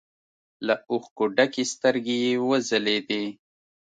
له اوښکو ډکې سترګې يې وځلېدې.